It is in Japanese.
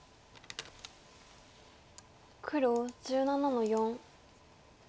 黒１７の四。